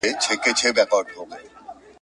چاړه که د سرو زرو وي هم په سینه کي نه وهل کېږي ..